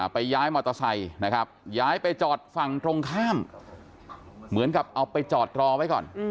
ไปย้ายมอเตอร์ไซค์นะครับย้ายไปจอดฝั่งตรงข้ามเหมือนกับเอาไปจอดรอไว้ก่อน